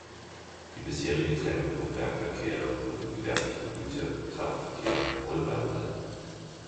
Die bisherige Trennung vom Werkverkehr und dem gewerblichen Güterkraftverkehr wurde beibehalten.